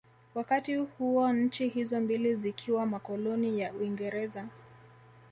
Wakati huo nchi hizo mbili zikiwa makoloni ya Uingereza